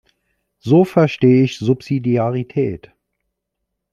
So verstehe ich Subsidiarität.